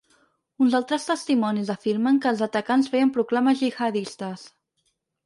Uns altres testimonis afirmen que els atacants feien proclames gihadistes.